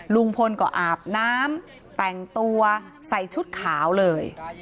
ลุงพลก็อาบน้ำแต่งตัวใส่ชุดขาวเลย